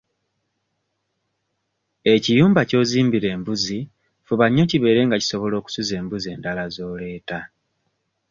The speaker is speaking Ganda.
Ekiyumba ky'ozimbira embuzi fuba nnyo kibeere nga kisobola okusuza embuzi endala z'oleeta.